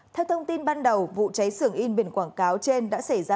theo thông tin ban đầu vụ cháy sường yên biển quảng cáo trên đã xảy ra